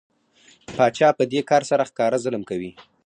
پاچا په دې کار سره ښکاره ظلم کوي.